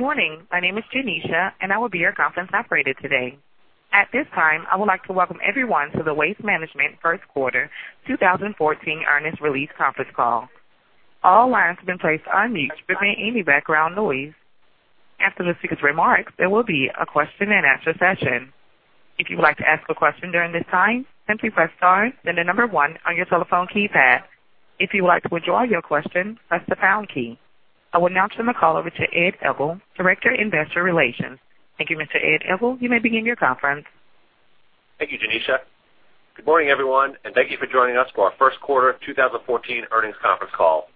Good morning. My name is Janisha, and I will be your conference operator today. At this time, I would like to welcome everyone to the Waste Management first quarter 2014 earnings release conference call. All lines have been placed on mute to prevent any background noise. After the speaker's remarks, there will be a question-and-answer session. If you would like to ask a question during this time, simply press star, then the number one on your telephone keypad. If you would like to withdraw your question, press the pound key. I will now turn the call over to Ed Egl, Director of Investor Relations. Thank you, Mr. Ed Egl. You may begin your conference. Thank you, Janisha. Good morning, everyone, and thank you for joining us for our first quarter 2014 earnings conference call.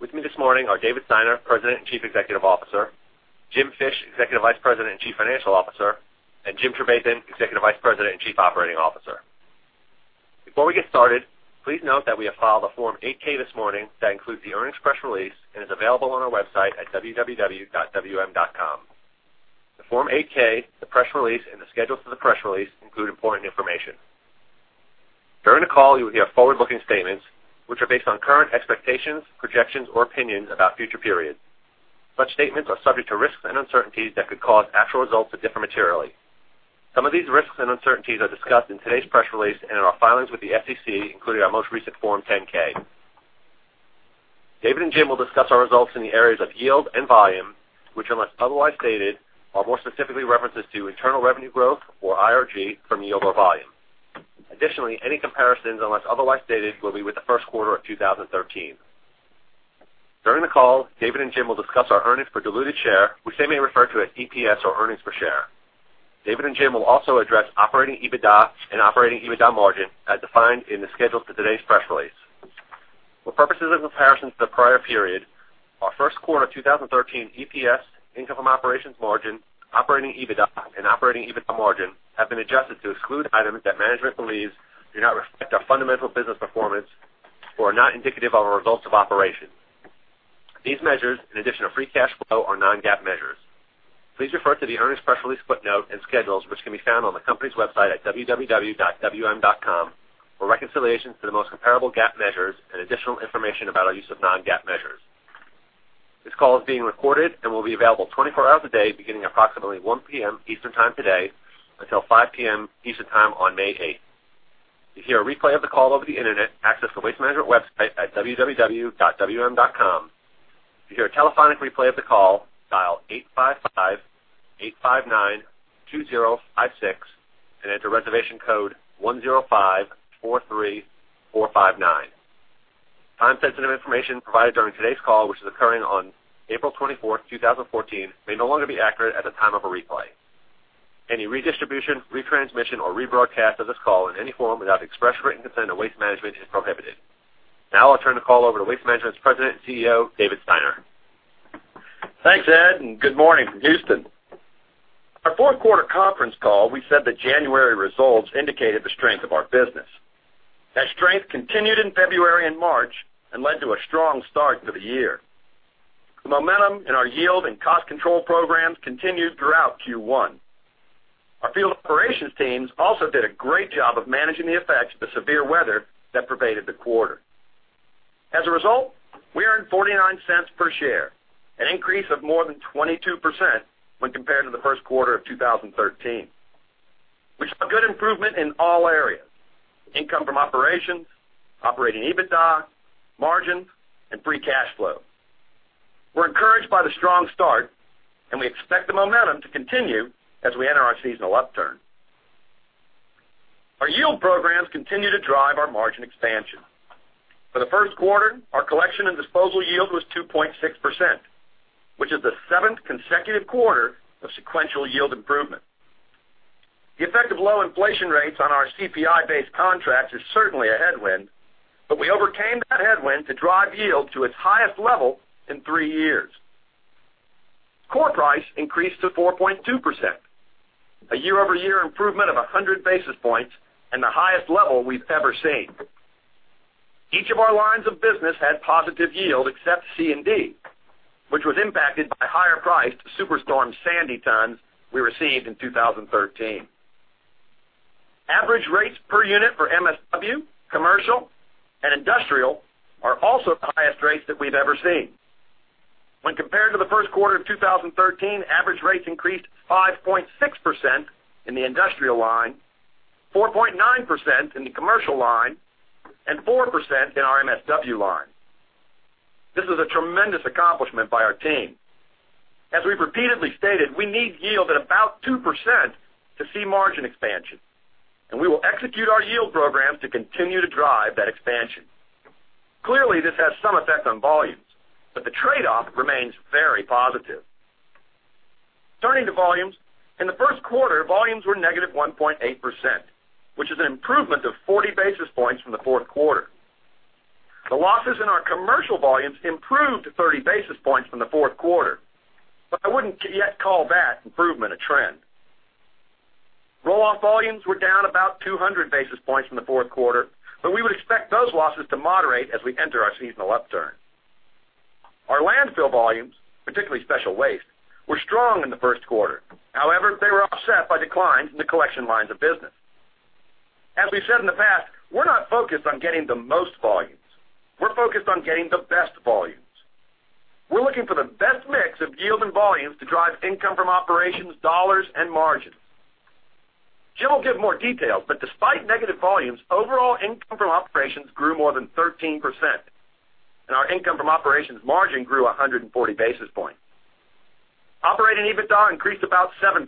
With me this morning are David Steiner, President and Chief Executive Officer, Jim Fish, Executive Vice President and Chief Financial Officer, and Jim Trevathan, Executive Vice President and Chief Operating Officer. Before we get started, please note that we have filed a Form 8-K this morning that includes the earnings press release and is available on our website at www.wm.com. The Form 8-K, the press release, and the schedules for the press release include important information. During the call, you will hear forward-looking statements, which are based on current expectations, projections, or opinions about future periods. Such statements are subject to risks and uncertainties that could cause actual results to differ materially. Some of these risks and uncertainties are discussed in today's press release and in our filings with the SEC, including our most recent Form 10-K. David and Jim will discuss our results in the areas of yield and volume, which unless otherwise stated, are more specifically references to internal revenue growth, or IRG, from yield or volume. Additionally, any comparisons, unless otherwise stated, will be with the first quarter of 2013. During the call, David and Jim will discuss our earnings per diluted share, which they may refer to as EPS or earnings per share. David and Jim will also address operating EBITDA and operating EBITDA margin as defined in the schedule to today's press release. For purposes of comparison to the prior period, our first quarter 2013 EPS income from operations margin, operating EBITDA, and operating EBITDA margin have been adjusted to exclude items that management believes do not reflect our fundamental business performance or are not indicative of our results of operations. These measures, in addition to free cash flow, are non-GAAP measures. Please refer to the earnings press release footnote and schedules, which can be found on the company's website at www.wm.com for reconciliation to the most comparable GAAP measures and additional information about our use of non-GAAP measures. This call is being recorded and will be available 24 hours a day, beginning approximately 1:00 P.M. Eastern Time today until 5:00 P.M. Eastern Time on May 8th. To hear a replay of the call over the Internet, access the Waste Management website at www.wm.com. To hear a telephonic replay of the call, dial 855-859-2056 and enter reservation code 10543459. Time-sensitive information provided during today's call, which is occurring on April 24th, 2014, may no longer be accurate at the time of a replay. Any redistribution, retransmission, or rebroadcast of this call in any form without the express written consent of Waste Management is prohibited. Now I'll turn the call over to Waste Management's President and CEO, David Steiner. Thanks, Ed, and good morning from Houston. Our fourth quarter conference call, we said that January results indicated the strength of our business. That strength continued in February and March and led to a strong start to the year. The momentum in our yield and cost control programs continued throughout Q1. Our field operations teams also did a great job of managing the effects of the severe weather that pervaded the quarter. As a result, we earned $0.49 per share, an increase of more than 22% when compared to the first quarter of 2013. We saw good improvement in all areas, income from operations, operating EBITDA, margin, and free cash flow. We're encouraged by the strong start, and we expect the momentum to continue as we enter our seasonal upturn. Our yield programs continue to drive our margin expansion. For the first quarter, our collection and disposal yield was 2.6%, which is the seventh consecutive quarter of sequential yield improvement. The effect of low inflation rates on our CPI-based contracts is certainly a headwind, but we overcame that headwind to drive yield to its highest level in three years. Core price increased to 4.2%, a year-over-year improvement of 100 basis points and the highest level we've ever seen. Each of our lines of business had positive yield except C&D, which was impacted by higher priced Superstorm Sandy tons we received in 2013. Average rates per unit for MSW, commercial, and industrial are also the highest rates that we've ever seen. When compared to the first quarter of 2013, average rates increased 5.6% in the industrial line, 4.9% in the commercial line, and 4% in our MSW line. This is a tremendous accomplishment by our team. As we've repeatedly stated, we need yield at about 2% to see margin expansion. We will execute our yield programs to continue to drive that expansion. Clearly, this has some effect on volumes. The trade-off remains very positive. Turning to volumes. In the first quarter, volumes were -1.8%, which is an improvement of 40 basis points from the fourth quarter. The losses in our commercial volumes improved 30 basis points from the fourth quarter, but I wouldn't yet call that improvement a trend. Roll-off volumes were down about 200 basis points from the fourth quarter. We would expect those losses to moderate as we enter our seasonal upturn. Our landfill volumes, particularly special waste, were strong in the first quarter. They were offset by declines in the collection lines of business. As we've said in the past, we're not focused on getting the most volumes. We're focused on getting the best volumes. We're looking for the best mix of yield and volumes to drive income from operations, dollars, and margins. Jim will give more details, despite negative volumes, overall income from operations grew more than 13%, and our income from operations margin grew 140 basis points. Operating EBITDA increased about 7%,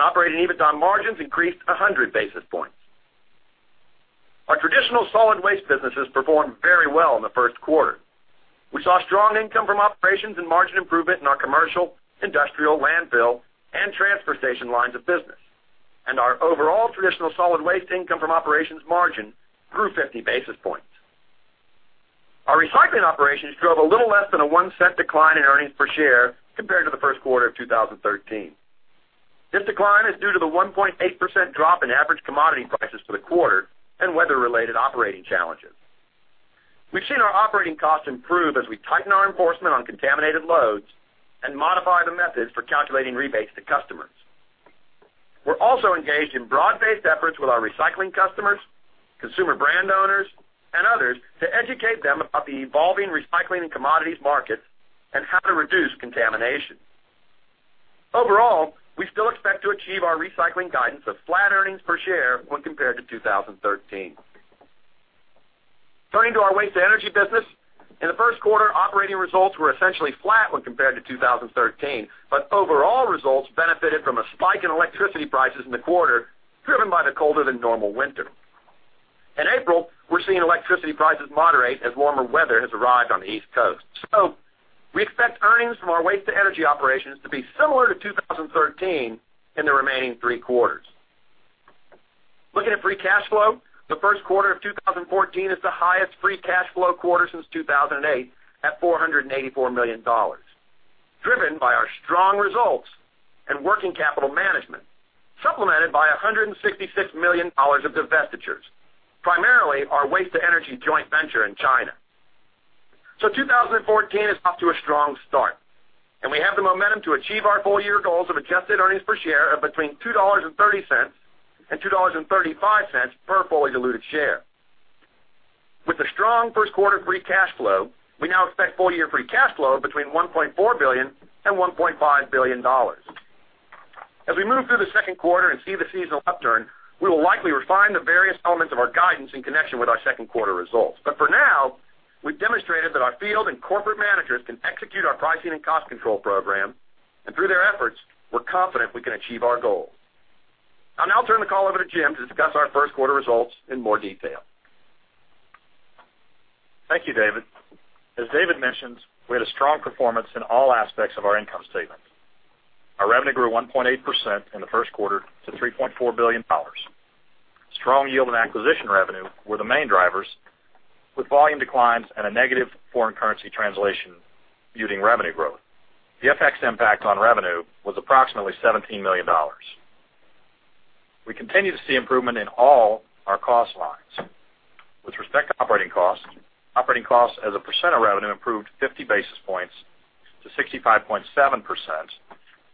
operating EBITDA margins increased 100 basis points. Our traditional solid waste businesses performed very well in the first quarter. We saw strong income from operations and margin improvement in our commercial, industrial, landfill, and transfer station lines of business. Our overall traditional solid waste income from operations margin grew 50 basis points. Our recycling operations drove a little less than a $0.01 decline in earnings per share compared to the first quarter of 2013. This decline is due to the 1.8% drop in average commodity prices for the quarter and weather-related operating challenges. We've seen our operating costs improve as we tighten our enforcement on contaminated loads and modify the methods for calculating rebates to customers. We're also engaged in broad-based efforts with our recycling customers, consumer brand owners, and others to educate them about the evolving recycling and commodities markets and how to reduce contamination. Overall, we still expect to achieve our recycling guidance of flat earnings per share when compared to 2013. Turning to our waste-to-energy business. In the first quarter, operating results were essentially flat when compared to 2013, overall results benefited from a spike in electricity prices in the quarter, driven by the colder than normal winter. In April, we're seeing electricity prices moderate as warmer weather has arrived on the East Coast. We expect earnings from our waste-to-energy operations to be similar to 2013 in the remaining three quarters. Looking at free cash flow, the first quarter of 2014 is the highest free cash flow quarter since 2008, at $484 million, driven by our strong results and working capital management, supplemented by $166 million of divestitures, primarily our waste-to-energy joint venture in China. 2014 is off to a strong start, and we have the momentum to achieve our full-year goals of adjusted earnings per share of between $2.30 and $2.35 per fully diluted share. With the strong first quarter free cash flow, we now expect full-year free cash flow between $1.4 billion and $1.5 billion. As we move through the second quarter and see the seasonal upturn, we will likely refine the various elements of our guidance in connection with our second quarter results. For now, we've demonstrated that our field and corporate managers can execute our pricing and cost control program, and through their efforts, we're confident we can achieve our goals. I'll now turn the call over to Jim to discuss our first quarter results in more detail. Thank you, David. As David mentions, we had a strong performance in all aspects of our income statement. Our revenue grew 1.8% in the first quarter to $3.4 billion. Strong yield and acquisition revenue were the main drivers, with volume declines and a negative foreign currency translation muting revenue growth. The FX impact on revenue was approximately $17 million. We continue to see improvement in all our cost lines. With respect to operating costs, operating costs as a percent of revenue improved 50 basis points to 65.7%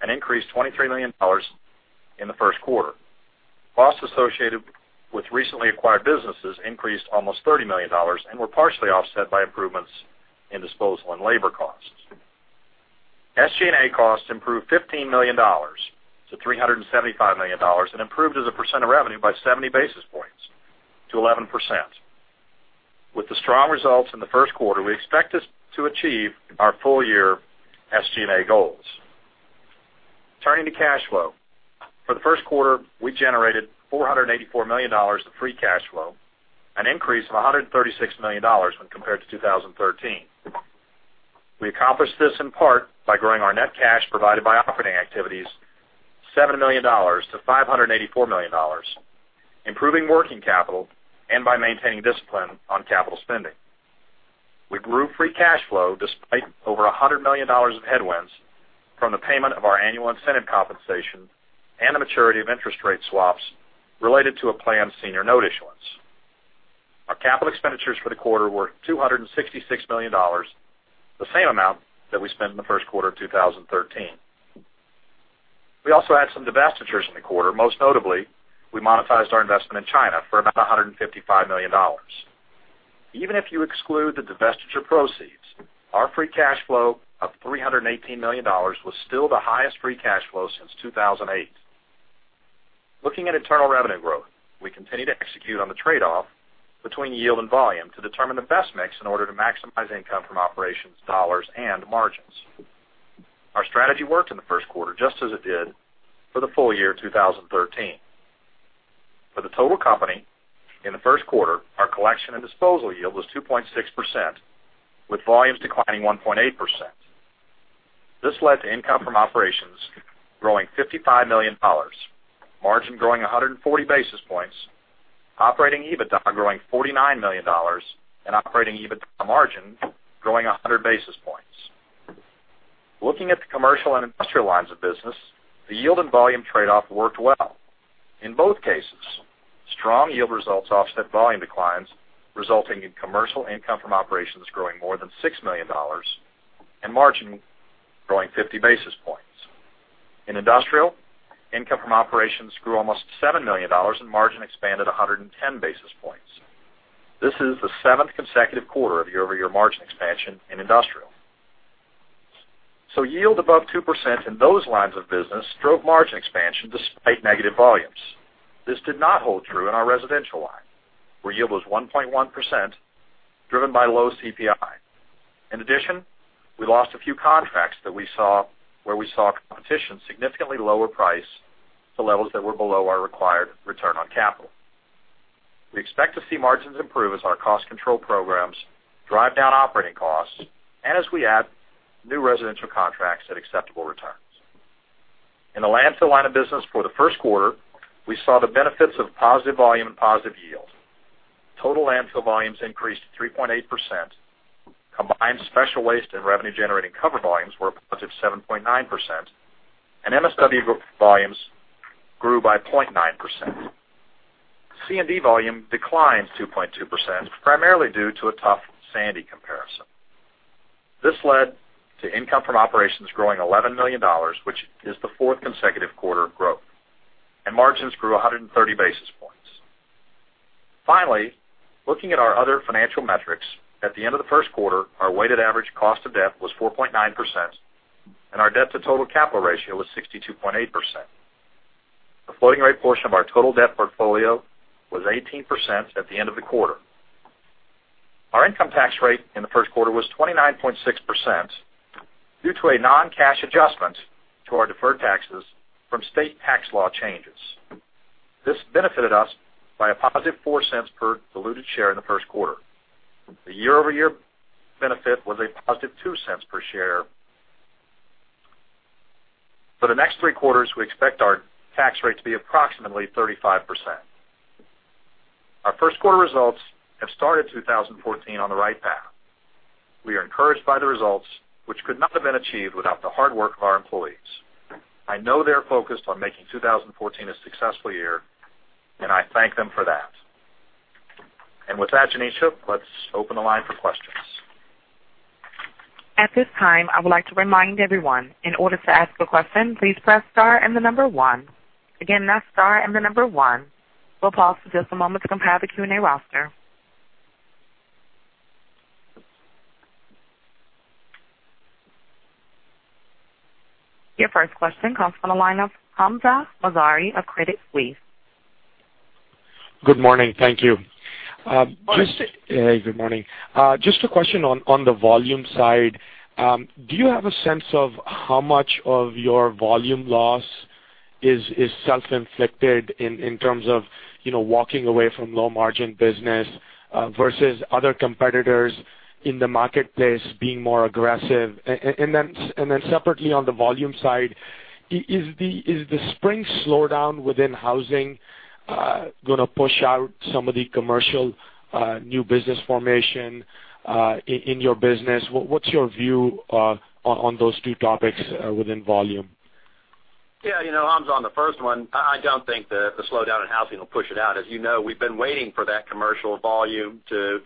and increased $23 million in the first quarter. Costs associated with recently acquired businesses increased almost $30 million and were partially offset by improvements in disposal and labor costs. SG&A costs improved $15 million to $375 million and improved as a percent of revenue by 70 basis points to 11%. With the strong results in the first quarter, we expect us to achieve our full-year SG&A goals. Turning to cash flow. For the first quarter, we generated $484 million of free cash flow, an increase of $136 million when compared to 2013. We accomplished this in part by growing our net cash provided by operating activities $7 million to $584 million, improving working capital, and by maintaining discipline on capital spending. We grew free cash flow despite over $100 million of headwinds from the payment of our annual incentive compensation and the maturity of interest rate swaps related to a planned senior note issuance. Our capital expenditures for the quarter were $266 million, the same amount that we spent in the first quarter of 2013. We also had some divestitures in the quarter. Most notably, we monetized our investment in China for about $155 million. Even if you exclude the divestiture proceeds, our free cash flow of $318 million was still the highest free cash flow since 2008. Looking at internal revenue growth, we continue to execute on the trade-off between yield and volume to determine the best mix in order to maximize income from operations dollars and margins. Our strategy worked in the first quarter, just as it did for the full year 2013. For the total company, in the first quarter, our collection and disposal yield was 2.6%, with volumes declining 1.8%. This led to income from operations growing $55 million, margin growing 140 basis points, operating EBITDA growing $49 million, and operating EBITDA margin growing 100 basis points. Looking at the commercial and industrial lines of business, the yield and volume trade-off worked well. In both cases, strong yield results offset volume declines, resulting in commercial income from operations growing more than $6 million and margin growing 50 basis points. In industrial, income from operations grew almost $7 million, and margin expanded 110 basis points. This is the seventh consecutive quarter of year-over-year margin expansion in industrial. Yield above 2% in those lines of business drove margin expansion despite negative volumes. This did not hold true in our residential line, where yield was 1.1%, driven by low CPI. In addition, we lost a few contracts where we saw competition significantly lower price to levels that were below our required return on capital. We expect to see margins improve as our cost control programs drive down operating costs and as we add new residential contracts at acceptable returns. In the landfill line of business for the first quarter, we saw the benefits of positive volume and positive yield. Total landfill volumes increased 3.8%, combined special waste and revenue-generating cover volumes were a positive 7.9%, and MSW volumes grew by 0.9%. C&D volume declined 2.2%, primarily due to a tough Sandy comparison. This led to income from operations growing $11 million, which is the fourth consecutive quarter of growth, and margins grew 130 basis points. Finally, looking at our other financial metrics, at the end of the first quarter, our weighted average cost of debt was 4.9%, and our debt to total capital ratio was 62.8%. The floating rate portion of our total debt portfolio was 18% at the end of the quarter. Our income tax rate in the first quarter was 29.6% due to a non-cash adjustment to our deferred taxes from state tax law changes. This benefited us by a positive $0.04 per diluted share in the first quarter. The year-over-year benefit was a positive $0.02 per share. For the next three quarters, we expect our tax rate to be approximately 35%. Our first quarter results have started 2014 on the right path. We are encouraged by the results, which could not have been achieved without the hard work of our employees. I know they're focused on making 2014 a successful year, and I thank them for that. With that, Janisha, let's open the line for questions. At this time, I would like to remind everyone, in order to ask a question, please press star and the number one. Again, that's star and the number one. We'll pause for just a moment to compile the Q&A roster. Your first question comes from the line of Hamzah Mazari of Credit Suisse. Good morning. Thank you. Morning. Hey, good morning. Just a question on the volume side. Do you have a sense of how much of your volume loss is self-inflicted in terms of walking away from low margin business versus other competitors in the marketplace being more aggressive? Separately on the volume side, is the spring slowdown within housing going to push out some of the commercial new business formation in your business? What's your view on those two topics within volume? Yeah, Hamzah, on the first one, I don't think the slowdown in housing will push it out. As you know, we've been waiting for that commercial volume to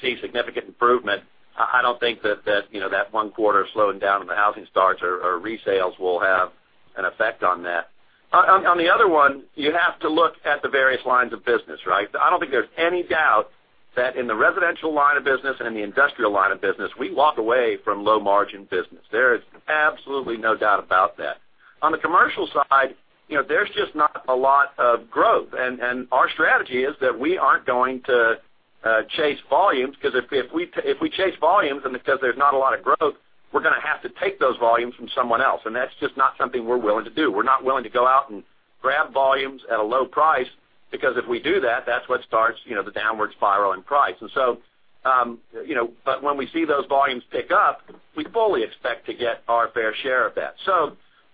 see significant improvement. I don't think that one quarter slowing down on the housing starts or resales will have an effect on that. On the other one, you have to look at the various lines of business, right? I don't think there's any doubt that in the residential line of business and in the industrial line of business, we walk away from low margin business. There is absolutely no doubt about that. On the commercial side, there's just not a lot of growth, and our strategy is that we aren't going to chase volumes, because if we chase volumes, and because there's not a lot of growth, we're going to have to take those volumes from someone else, and that's just not something we're willing to do. We're not willing to go out and grab volumes at a low price, because if we do that's what starts the downward spiral in price. When we see those volumes pick up, we fully expect to get our fair share of that.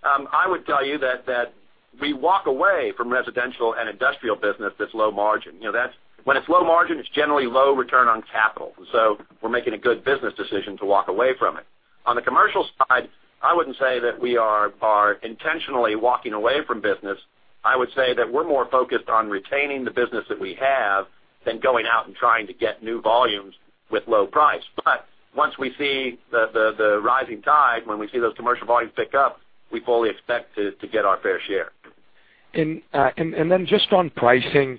I would tell you that we walk away from residential and industrial business that's low margin. When it's low margin, it's generally low return on capital. We're making a good business decision to walk away from it. On the commercial side, I wouldn't say that we are intentionally walking away from business. I would say that we're more focused on retaining the business that we have than going out and trying to get new volumes with low price. Once we see the rising tide, when we see those commercial volumes pick up, we fully expect to get our fair share. Just on pricing,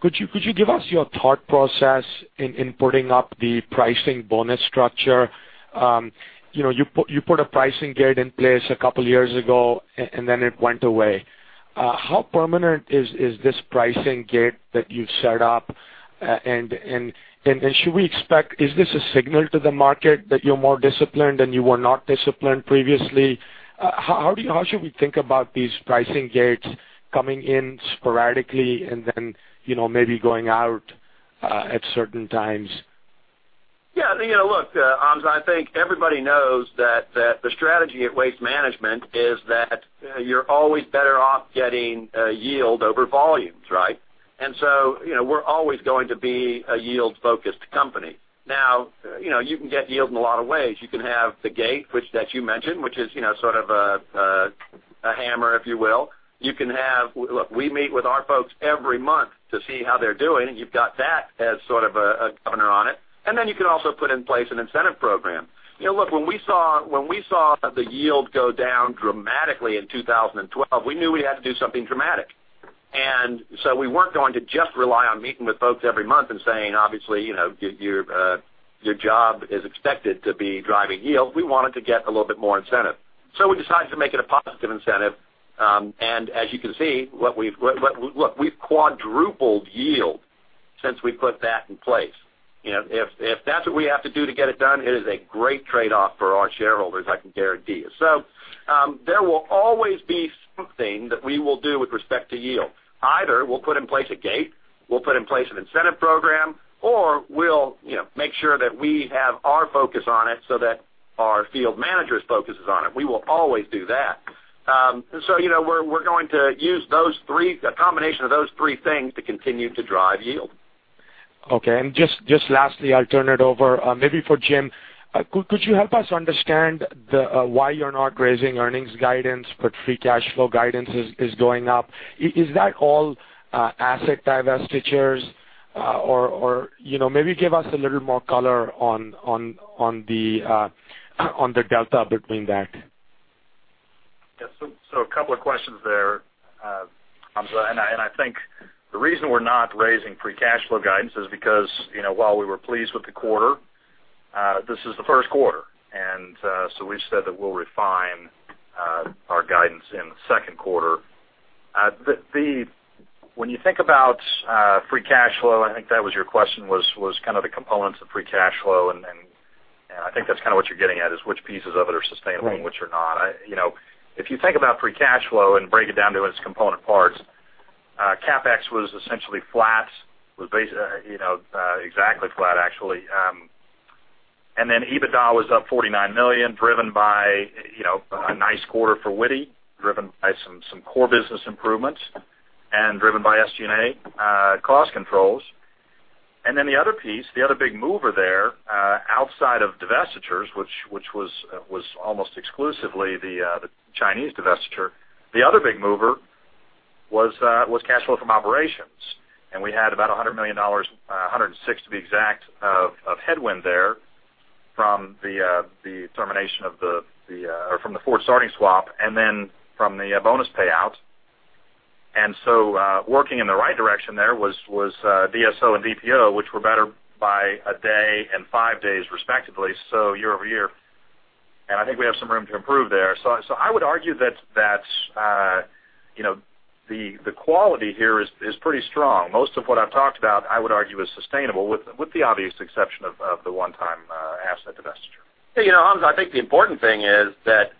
could you give us your thought process in putting up the pricing bonus structure? You put a pricing gate in place a couple of years ago, then it went away. How permanent is this pricing gate that you've set up? Should we expect, is this a signal to the market that you're more disciplined and you were not disciplined previously? How should we think about these pricing gates coming in sporadically and then maybe going out at certain times? Yeah. Look, Hamzah, I think everybody knows that the strategy at Waste Management is that you're always better off getting yield over volumes, right? We're always going to be a yield-focused company. Now, you can get yield in a lot of ways. You can have the gate, which that you mentioned, which is sort of a hammer, if you will. Look, we meet with our folks every month to see how they're doing, and you've got that as sort of a governor on it. You can also put in place an incentive program. Look, when we saw the yield go down dramatically in 2012, we knew we had to do something dramatic. We weren't going to just rely on meeting with folks every month and saying, obviously, your job is expected to be driving yield. We wanted to get a little bit more incentive. We decided to make it a positive incentive. As you can see, look, we've quadrupled yield since we put that in place. If that's what we have to do to get it done, it is a great trade-off for our shareholders, I can guarantee you. There will always be something that we will do with respect to yield. Either we'll put in place a gate, we'll put in place an incentive program, or we'll make sure that we have our focus on it so that our field manager's focus is on it. We will always do that. We're going to use a combination of those three things to continue to drive yield. Okay. Just lastly, I'll turn it over, maybe for Jim. Could you help us understand why you're not raising earnings guidance, but free cash flow guidance is going up? Is that all asset divestitures? Or maybe give us a little more color on the delta between that. Yeah. A couple of questions there, Hamzah. I think the reason we're not raising free cash flow guidance is because while we were pleased with the quarter, this is the first quarter. We've said that we'll refine our guidance in the second quarter. When you think about free cash flow, I think that was your question, was kind of the components of free cash flow, and I think that's kind of what you're getting at, is which pieces of it are sustainable and which are not. If you think about free cash flow and break it down to its component parts, CapEx was essentially flat. Exactly flat, actually. EBITDA was up $49 million, driven by a nice quarter for Wheelabrator, driven by some core business improvements and driven by SG&A cost controls. The other piece, the other big mover there, outside of divestitures, which was almost exclusively the Chinese divestiture, the other big mover was cash flow from operations. We had about $100 million, 106 to be exact, of headwind there from the forward starting swap and then from the bonus payouts. Working in the right direction there was DSO and DPO, which were better by a day and five days respectively, so year-over-year. I think we have some room to improve there. I would argue that the quality here is pretty strong. Most of what I've talked about, I would argue, is sustainable, with the obvious exception of the one-time asset divestiture. Yeah. Hamzah, I think the important thing is that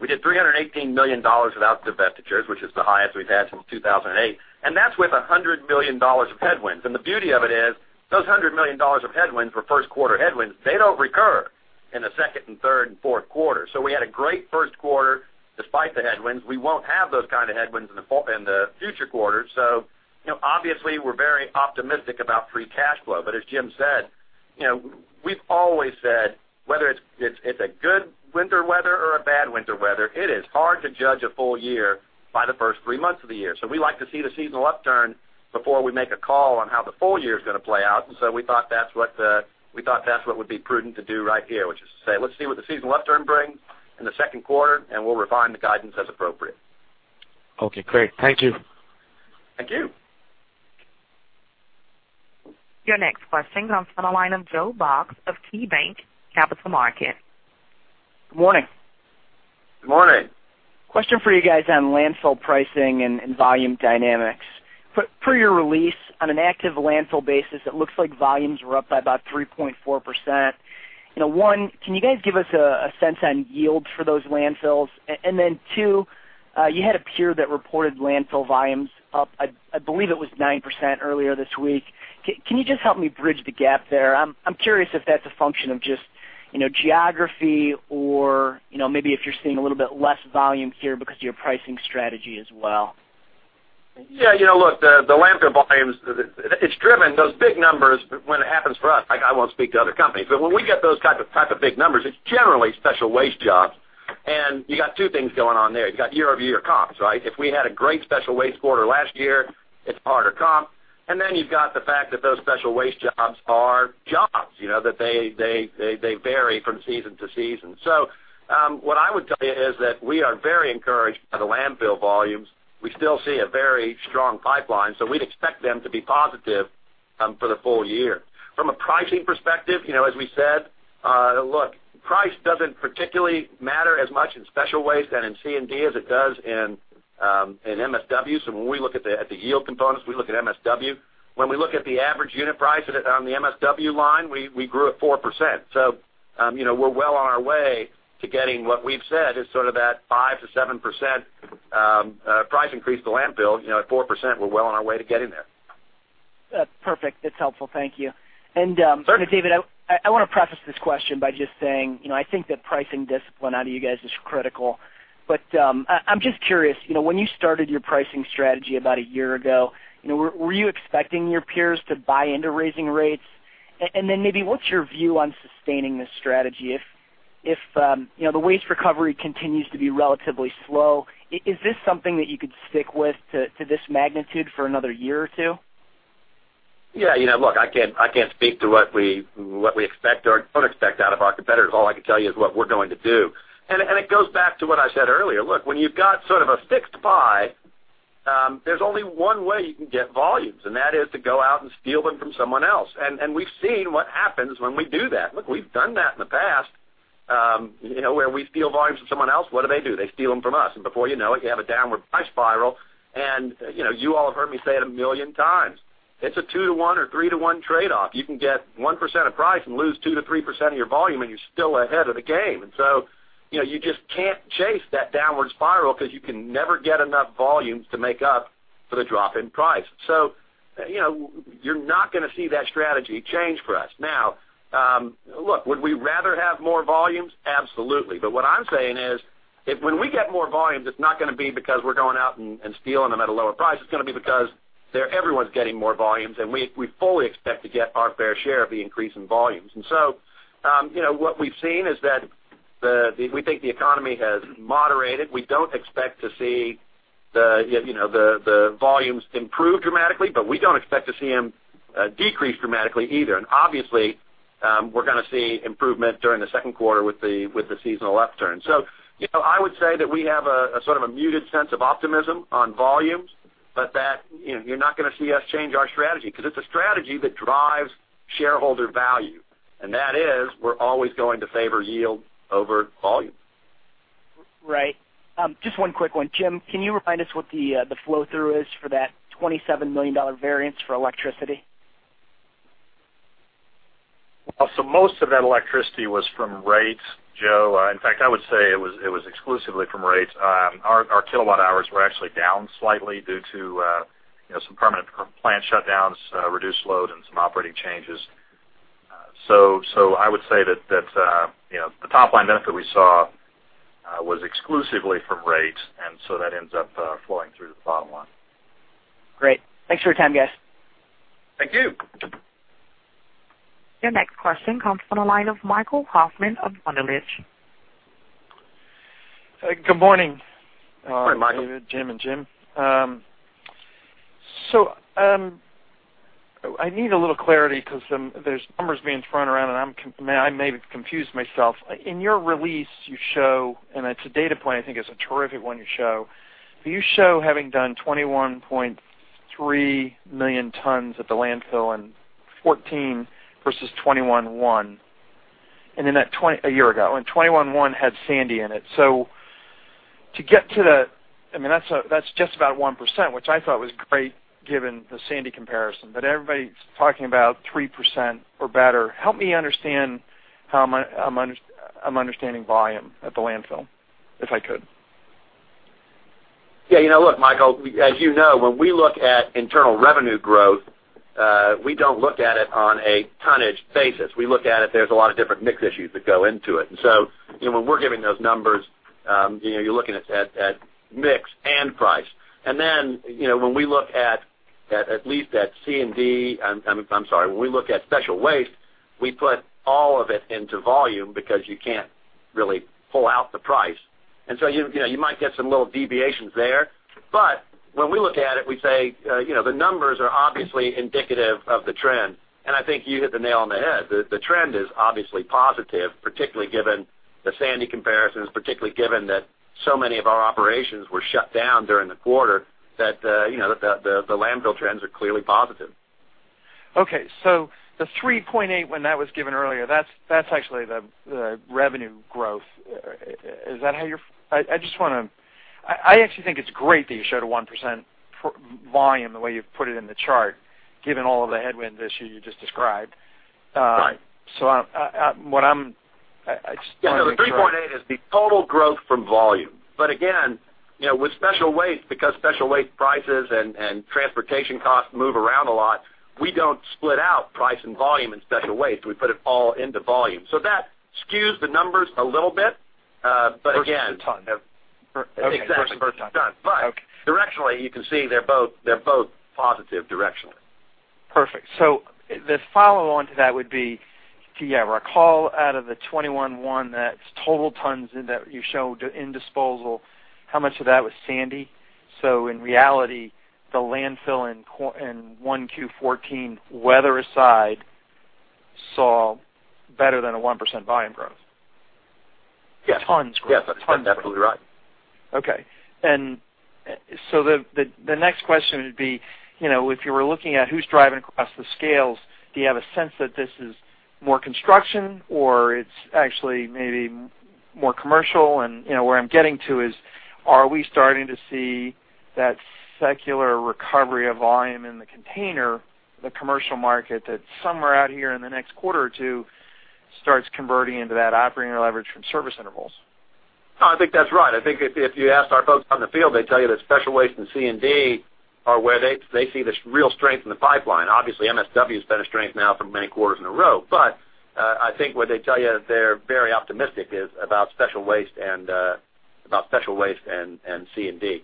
we did $318 million without divestitures, which is the highest we've had since 2008, and that's with $100 million of headwinds. The beauty of it is those $100 million of headwinds were first quarter headwinds. They don't recur in the second and third and fourth quarter. We had a great first quarter despite the headwinds. We won't have those kind of headwinds in the future quarters. Obviously, we're very optimistic about free cash flow. As Jim said, we've always said, whether it's a good winter weather or a bad winter weather, it is hard to judge a full year by the first three months of the year. We like to see the seasonal upturn before we make a call on how the full year's going to play out. We thought that's what would be prudent to do right here, which is to say, let's see what the seasonal upturn brings in the second quarter, and we'll refine the guidance as appropriate. Okay, great. Thank you. Thank you. Your next question comes from the line of Joe Box of KeyBanc Capital Markets. Good morning. Good morning. Question for you guys on landfill pricing and volume dynamics. Per your release, on an active landfill basis, it looks like volumes are up by about 3.4%. Can you guys give us a sense on yield for those landfills? You had a peer that reported landfill volumes up, I believe it was 9% earlier this week. Can you just help me bridge the gap there? I'm curious if that's a function of just geography or maybe if you're seeing a little bit less volume here because of your pricing strategy as well. Look, the landfill volumes, those big numbers, when it happens for us, I won't speak to other companies, but when we get those type of big numbers, it's generally special waste jobs. You got two things going on there. You got year-over-year comps, right? If we had a great special waste quarter last year, it's a harder comp. You've got the fact that those special waste jobs are jobs, that they vary from season to season. What I would tell you is that we are very encouraged by the landfill volumes. We still see a very strong pipeline, we'd expect them to be positive for the full year. From a pricing perspective, as we said, look, price doesn't particularly matter as much in special waste and in C&D as it does in MSW. When we look at the yield components, we look at MSW. When we look at the average unit price on the MSW line, we grew at 4%. We're well on our way to getting what we've said is sort of that 5%-7% price increase to landfill. At 4%, we're well on our way to getting there. Perfect. That's helpful. Thank you. Certainly. David, I want to preface this question by just saying, I think that pricing discipline out of you guys is critical, but I'm just curious, when you started your pricing strategy about a year ago, were you expecting your peers to buy into raising rates? Then maybe what's your view on sustaining this strategy? If the waste recovery continues to be relatively slow, is this something that you could stick with to this magnitude for another year or two? Look, I can't speak to what we expect or don't expect out of our competitors. All I can tell you is what we're going to do. It goes back to what I said earlier. Look, when you've got sort of a fixed pie, there's only one way you can get volumes, that is to go out and steal them from someone else. We've seen what happens when we do that. Look, we've done that in the past, where we steal volumes from someone else. What do they do? They steal them from us. Before you know it, you have a downward price spiral. You all have heard me say it a million times. It's a two-to-one or three-to-one trade-off. You can get 1% of price and lose 2%-3% of your volume, and you're still ahead of the game. You just can't chase that downward spiral because you can never get enough volumes to make up for the drop in price. You're not going to see that strategy change for us. Now, look, would we rather have more volumes? Absolutely. But what I'm saying is, if when we get more volumes, it's not going to be because we're going out and stealing them at a lower price. It's going to be because everyone's getting more volumes, we fully expect to get our fair share of the increase in volumes. What we've seen is that we think the economy has moderated. We don't expect to see the volumes improve dramatically, but we don't expect to see them decrease dramatically either. Obviously, we're going to see improvement during the second quarter with the seasonal upturn. I would say that we have a sort of a muted sense of optimism on volumes, but that you're not going to see us change our strategy because it's a strategy that drives shareholder value, and that is we're always going to favor yield over volume. Right. Just one quick one. Jim, can you remind us what the flow-through is for that $27 million variance for electricity? Most of that electricity was from rates, Joe. In fact, I would say it was exclusively from rates. Our kilowatt hours were actually down slightly due to some permanent plant shutdowns, reduced load, and some operating changes. I would say that the top-line benefit we saw was exclusively from rates, and so that ends up flowing through to the bottom line. Great. Thanks for your time, guys. Thank you. Your next question comes from the line of Michael Hoffman of Wunderlich. Good morning. Good morning, Michael. David, Jim, and Jim. I need a little clarity because there's numbers being thrown around, and I may have confused myself. In your release, you show, and it's a data point I think is a terrific one you show. You show having done 21.3 million tons at the landfill in 2014 versus 21.1 a year ago. 21.1 had Sandy in it. To get to the That's just about 1%, which I thought was great given the Sandy comparison, but everybody's talking about 3% or better. Help me understand how I'm understanding volume at the landfill, if I could. Yeah. Look, Michael, as you know, when we look at internal revenue growth, we don't look at it on a tonnage basis. We look at it, there's a lot of different mix issues that go into it. When we're giving those numbers, you're looking at mix and price. When we look at least at C&D, I'm sorry, when we look at special waste, we put all of it into volume because you can't really pull out the price. You might get some little deviations there. When we look at it, we say the numbers are obviously indicative of the trend, and I think you hit the nail on the head. The trend is obviously positive, particularly given the Sandy comparisons, particularly given that so many of our operations were shut down during the quarter that the landfill trends are clearly positive. Okay. The 3.8, when that was given earlier, that's actually the revenue growth. I actually think it's great that you show the 1% volume the way you've put it in the chart, given all of the headwinds this year you just described. Right. What I'm- Yeah. No, the 3.8 is the total growth from volume. Again, with special waste, because special waste prices and transportation costs move around a lot, we don't split out price and volume in special waste. We put it all into volume. That skews the numbers a little bit. Again. Versus the ton. Exactly. Okay. Versus the ton. Directionally, you can see they're both positive directionally. Perfect. The follow on to that would be, do you have a recall out of the 21.1 that's total tons in that you showed in disposal, how much of that was Superstorm Sandy? In reality, the landfill in 1Q 2014, weather aside, saw better than a 1% volume growth? Yes. Tons growth. Yes, that's absolutely right. Okay. The next question would be, if you were looking at who's driving across the scales, do you have a sense that this is more construction or it's actually maybe more commercial? Where I'm getting to is, are we starting to see that secular recovery of volume in the container, the commercial market, that somewhere out here in the next quarter or two starts converting into that operating leverage from service intervals? No, I think that's right. I think if you asked our folks on the field, they'd tell you that special waste and C&D are where they see this real strength in the pipeline. Obviously, MSW has been a strength now for many quarters in a row. I think what they tell you they're very optimistic is about special waste and C&D.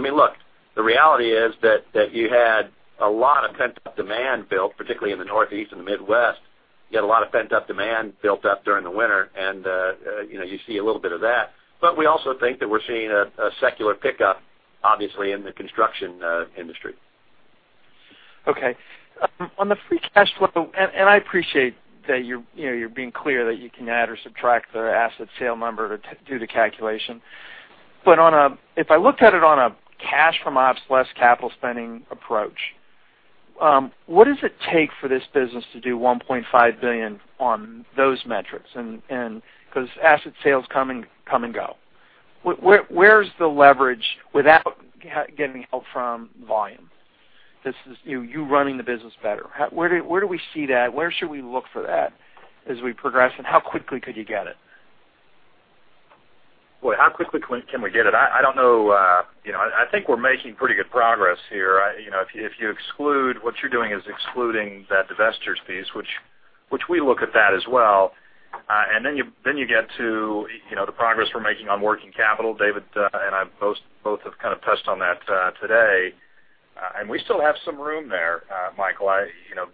Look, the reality is that you had a lot of pent-up demand built, particularly in the Northeast and the Midwest. You had a lot of pent-up demand built up during the winter, and you see a little bit of that. We also think that we're seeing a secular pickup Obviously in the construction industry. Okay. On the free cash flow, I appreciate that you're being clear that you can add or subtract the asset sale number to do the calculation. If I looked at it on a cash from ops less capital spending approach, what does it take for this business to do $1.5 billion on those metrics? Because asset sales come and go. Where's the leverage without getting help from volume? This is you running the business better. Where do we see that? Where should we look for that as we progress, and how quickly could you get it? Boy, how quickly can we get it? I don't know. I think we're making pretty good progress here. If you exclude, what you're doing is excluding that divestiture piece, which we look at that as well. Then you get to the progress we're making on working capital. David and I both have kind of touched on that today. We still have some room there, Michael.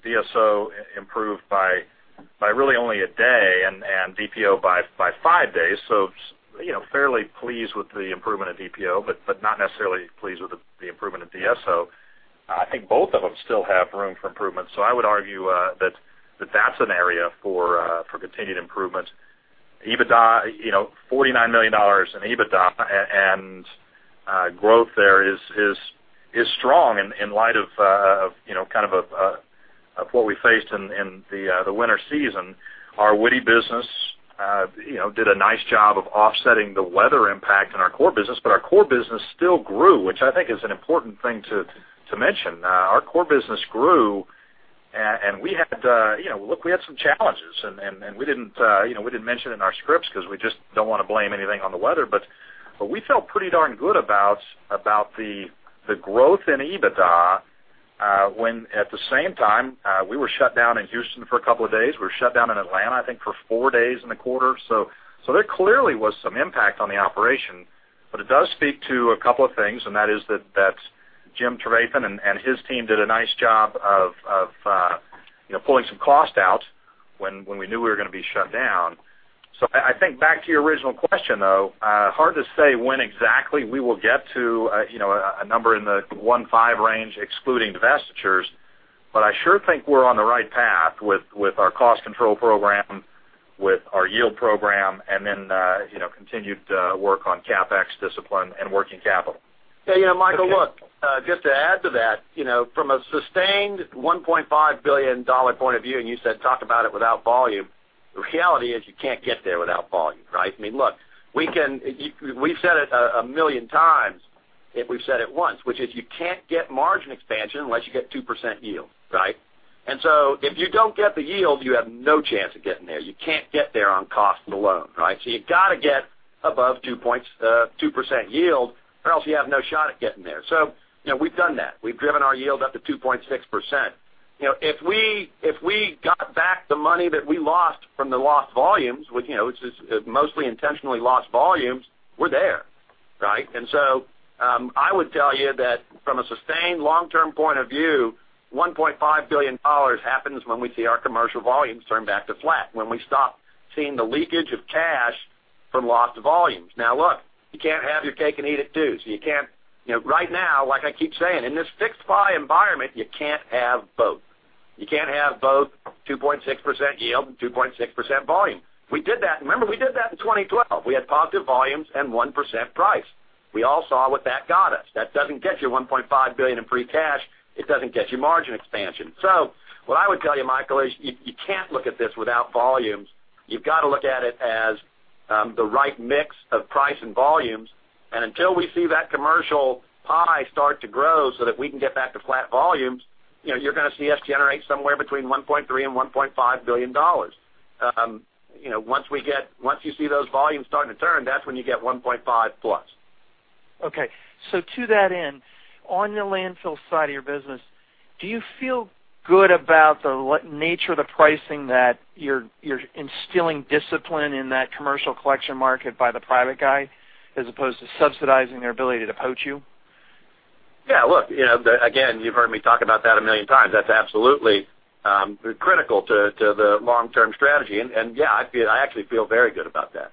DSO improved by really only a day, and DPO by five days. Fairly pleased with the improvement of DPO, not necessarily pleased with the improvement of DSO. I think both of them still have room for improvement. I would argue that that's an area for continued improvement. $49 million in EBITDA and growth there is strong in light of what we faced in the winter season. Our woody business did a nice job of offsetting the weather impact on our core business. Our core business still grew, which I think is an important thing to mention. Our core business grew. Look, we had some challenges. We didn't mention it in our scripts because we just don't want to blame anything on the weather. We felt pretty darn good about the growth in EBITDA, when at the same time, we were shut down in Houston for a couple of days. We were shut down in Atlanta, I think, for four days in the quarter. There clearly was some impact on the operation, but it does speak to a couple of things. That is that Jim Trevathan and his team did a nice job of pulling some cost out when we knew we were going to be shut down. I think back to your original question, though, hard to say when exactly we will get to a number in the one five range excluding divestitures. I sure think we're on the right path with our cost control program, with our yield program, and then continued work on CapEx discipline and working capital. Michael, look, just to add to that, from a sustained $1.5 billion point of view. You said talk about it without volume. The reality is you can't get there without volume, right? We've said it 1 million times, if we've said it once, which is you can't get margin expansion unless you get 2% yield, right? If you don't get the yield, you have no chance of getting there. You can't get there on cost alone, right? You got to get above 2% yield, or else you have no shot at getting there. We've done that. We've driven our yield up to 2.6%. If we got back the money that we lost from the lost volumes, which is mostly intentionally lost volumes, we're there, right? I would tell you that from a sustained long-term point of view, $1.5 billion happens when we see our commercial volumes turn back to flat, when we stop seeing the leakage of cash from lost volumes. Look, you can't have your cake and eat it, too. Right now, like I keep saying, in this fixed pie environment, you can't have both. You can't have both 2.6% yield and 2.6% volume. We did that. Remember, we did that in 2012. We had positive volumes and 1% price. We all saw what that got us. That doesn't get you $1.5 billion in free cash. It doesn't get you margin expansion. What I would tell you, Michael, is you can't look at this without volumes. You've got to look at it as the right mix of price and volumes. Until we see that commercial pie start to grow so that we can get back to flat volumes, you're going to see us generate somewhere between $1.3 billion and $1.5 billion. Once you see those volumes starting to turn, that's when you get $1.5 billion plus. To that end, on the landfill side of your business, do you feel good about the nature of the pricing that you're instilling discipline in that commercial collection market by the private guy, as opposed to subsidizing their ability to poach you? Look, again, you've heard me talk about that a million times. That's absolutely critical to the long-term strategy. Yeah, I actually feel very good about that.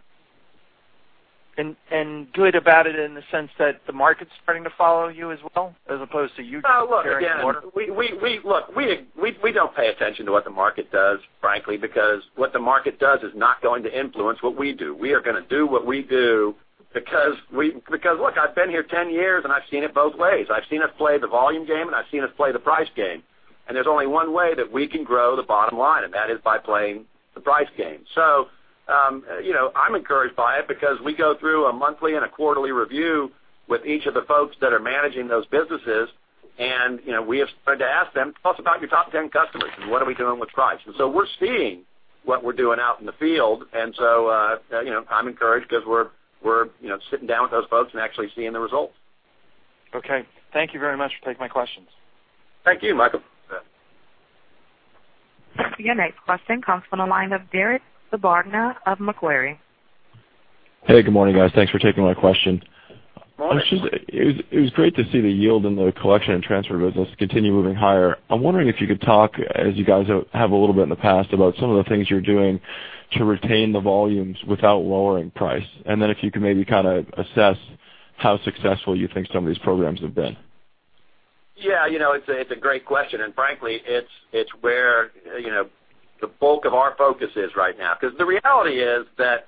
Good about it in the sense that the market's starting to follow you as well, as opposed to you just caring more? Look, we don't pay attention to what the market does, frankly, because what the market does is not going to influence what we do. We are going to do what we do because look, I've been here 10 years, and I've seen it both ways. I've seen us play the volume game, and I've seen us play the price game. There's only one way that we can grow the bottom line, and that is by playing the price game. I'm encouraged by it because we go through a monthly and a quarterly review with each of the folks that are managing those businesses. We have started to ask them, "Tell us about your top 10 customers, and what are we doing with price?" We're seeing what we're doing out in the field, and so I'm encouraged because we're sitting down with those folks and actually seeing the results. Okay. Thank you very much for taking my questions. Thank you, Michael. Your next question comes from the line of Derek Sbrogna of Macquarie. Hey, good morning, guys. Thanks for taking my question. Morning. It was great to see the yield in the collection and transfer business continue moving higher. I'm wondering if you could talk, as you guys have a little bit in the past, about some of the things you're doing to retain the volumes without lowering price. If you could maybe kind of assess how successful you think some of these programs have been. Yeah. It's a great question, and frankly, it's where the bulk of our focus is right now. The reality is that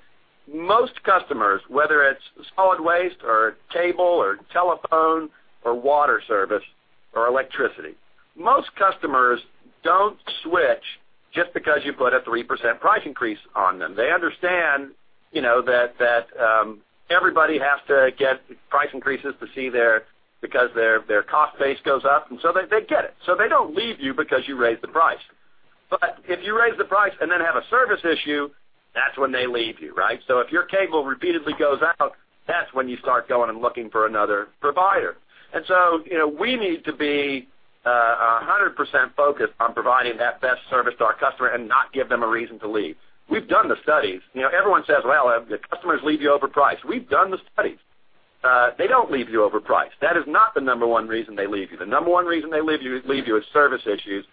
most customers, whether it's solid waste or cable or telephone or water service or electricity, most customers don't switch just because you put a 3% price increase on them. They understand that everybody has to get price increases because their cost base goes up, they get it. They don't leave you because you raised the price. If you raise the price and then have a service issue, that's when they leave you, right? If your cable repeatedly goes out, that's when you start going and looking for another provider. We need to be 100% focused on providing that best service to our customer and not give them a reason to leave. We've done the studies. Everyone says, "Well, the customers leave you over price." We've done the studies. They don't leave you over price. That is not the number 1 reason they leave you. The number 1 reason they leave you is service issues.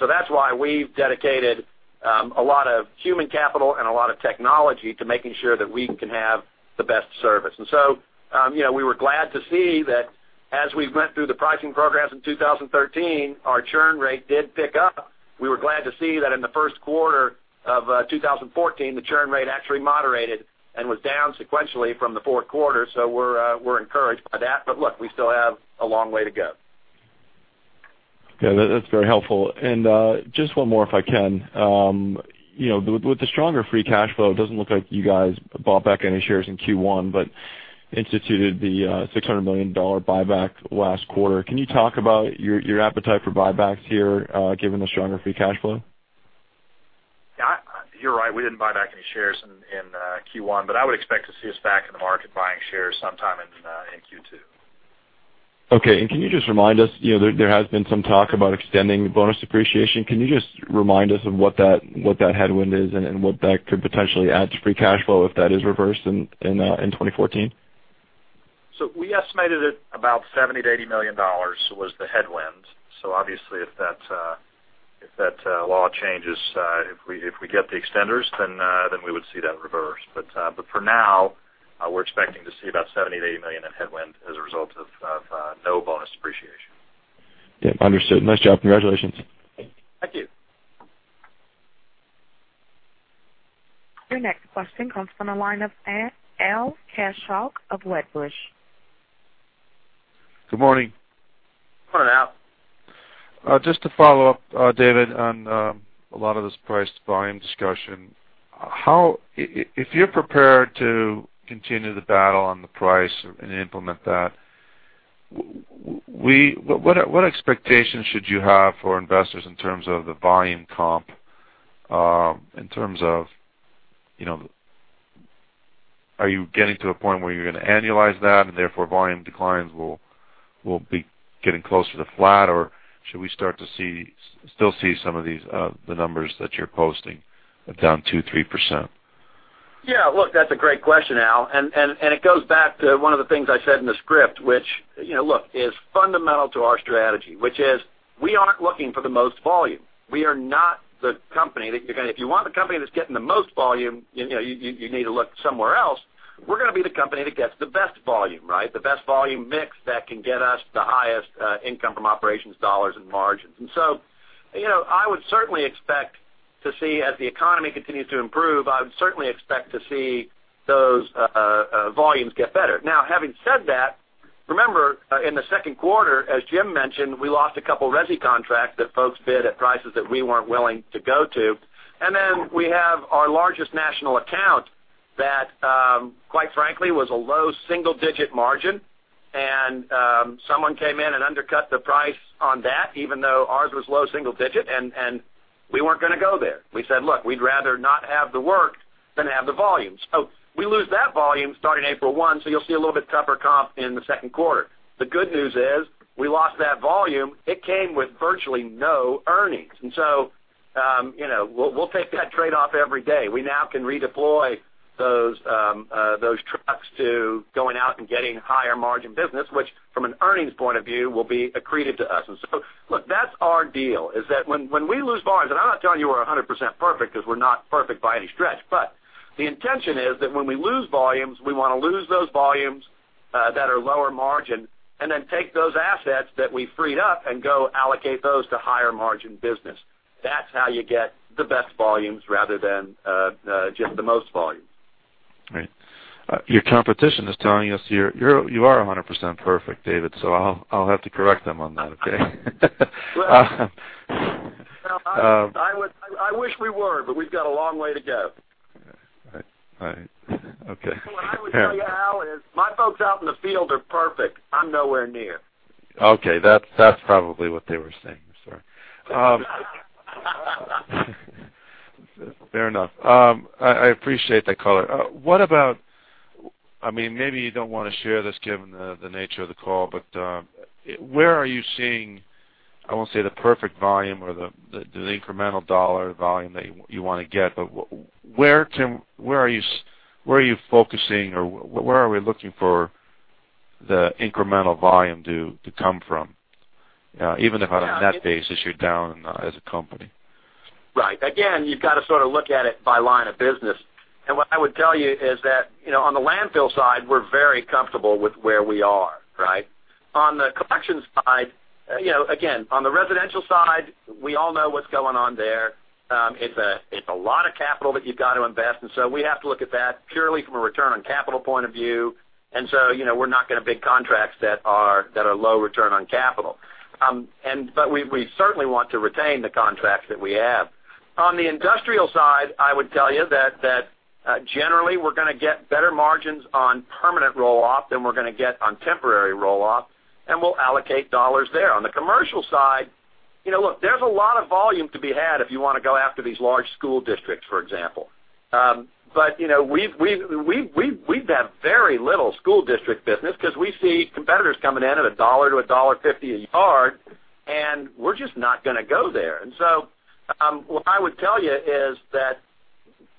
That's why we've dedicated a lot of human capital and a lot of technology to making sure that we can have the best service. We were glad to see that as we went through the pricing programs in 2013, our churn rate did pick up. We were glad to see that in the first quarter of 2014, the churn rate actually moderated and was down sequentially from the fourth quarter. Look, we still have a long way to go. Yeah, that's very helpful. Just 1 more, if I can. With the stronger free cash flow, it doesn't look like you guys bought back any shares in Q1, but instituted the $600 million buyback last quarter. Can you talk about your appetite for buybacks here, given the stronger free cash flow? You're right. We didn't buy back any shares in Q1, I would expect to see us back in the market buying shares sometime in Q2. Okay, can you just remind us, there has been some talk about extending bonus depreciation. Can you just remind us of what that headwind is and what that could potentially add to free cash flow if that is reversed in 2014? We estimated at about $70 million-$80 million was the headwind. Obviously if that law changes, if we get the extenders, then we would see that reversed. For now, we're expecting to see about $70 million-$80 million in headwind as a result of no bonus depreciation. Yep, understood. Nice job. Congratulations. Thank you. Your next question comes from the line of Al Kaschalk of Wedbush. Good morning. Morning, Al. Just to follow up, David, on a lot of this price to volume discussion, if you're prepared to continue the battle on the price and implement that, what expectation should you have for investors in terms of the volume comp? In terms of, are you getting to a point where you're going to annualize that and therefore volume declines will be getting closer to flat? Or should we start to still see some of these, the numbers that you're posting down 2%, 3%? Yeah, look, that's a great question, Al. It goes back to one of the things I said in the script, which look is fundamental to our strategy, which is we aren't looking for the most volume. We are not the company that you're going to-- If you want the company that's getting the most volume, you need to look somewhere else. We're going to be the company that gets the best volume, right? The best volume mix that can get us the highest income from operations dollars and margins. So I would certainly expect to see, as the economy continues to improve, I would certainly expect to see those volumes get better. Now, having said that, remember, in the second quarter, as Jim mentioned, we lost a couple of resi contracts that folks bid at prices that we weren't willing to go to. We have our largest national account that, quite frankly, was a low single-digit margin. Someone came in and undercut the price on that, even though ours was low single-digit, we weren't going to go there. We said, "Look, we'd rather not have the work than have the volume." We lose that volume starting April 1. You'll see a little bit tougher comp in the second quarter. The good news is we lost that volume. It came with virtually no earnings. We'll take that trade-off every day. We now can redeploy those trucks to going out and getting higher margin business, which from an earnings point of view, will be accretive to us. Look, that's our deal, is that when we lose volumes, I'm not telling you we're 100% perfect, because we're not perfect by any stretch. The intention is that when we lose volumes, we want to lose those volumes that are lower margin then take those assets that we freed up and go allocate those to higher margin business. That's how you get the best volumes rather than just the most volume. Right. Your competition is telling us you are 100% perfect, David. I'll have to correct them on that, okay? I wish we were, we've got a long way to go. Right. Okay. What I would tell you, Al, is my folks out in the field are perfect. I'm nowhere near. Okay. That's probably what they were saying, sir. Fair enough. I appreciate that color. What about, maybe you don't want to share this given the nature of the call, but where are you seeing, I won't say the perfect volume or the incremental dollar volume that you want to get, but where are you focusing or where are we looking for the incremental volume to come from, even if on a net basis, you're down as a company. Right. Again, you've got to look at it by line of business. What I would tell you is that on the landfill side, we're very comfortable with where we are, right? On the collections side, again, on the residential side, we all know what's going on there. It's a lot of capital that you've got to invest, and so we have to look at that purely from a return on capital point of view. So, we're not getting big contracts that are low return on capital. We certainly want to retain the contracts that we have. On the industrial side, I would tell you that generally, we're going to get better margins on permanent roll-off than we're going to get on temporary roll-off, and we'll allocate dollars there. On the commercial side, look, there's a lot of volume to be had if you want to go after these large school districts, for example. We've had very little school district business because we see competitors coming in at $1 to $1.50 a yard, and we're just not going to go there. What I would tell you is that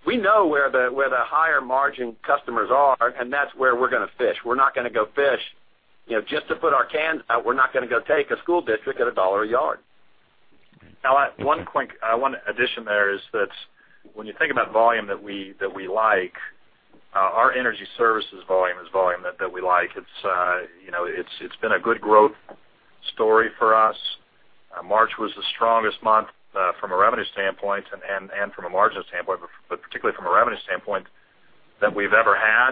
we know where the higher margin customers are, and that's where we're going to fish. We're not going to go fish just to put our cans out. We're not going to go take a school district at $1 a yard. One addition there is that when you think about volume that we like, our energy services volume is volume that we like. It's been a good growth story for us. March was the strongest month from a revenue standpoint and from a margin standpoint, but particularly from a revenue standpoint, that we've ever had.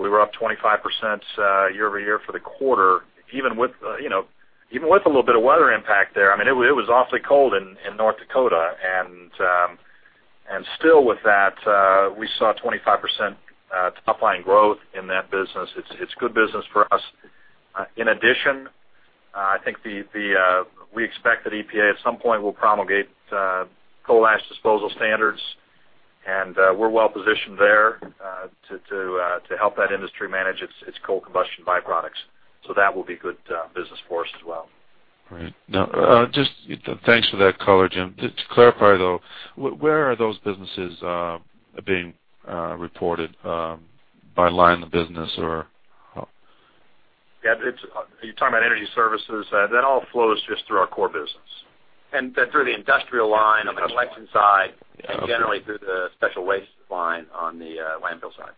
We were up 25% year-over-year for the quarter, even with a little bit of weather impact there. It was awfully cold in North Dakota, and still with that, we saw 25% top line growth in that business. It's good business for us. In addition, we expect that EPA at some point will promulgate coal ash disposal standards, and we're well positioned there to help that industry manage its coal combustion byproducts. That will be good business for us as well. Great. Thanks for that color, Jim. Just to clarify, though, where are those businesses being reported, by line of business or Are you talking about energy services? That all flows just through our core business. Through the industrial line on the collection side and generally through the special waste line on the landfill side.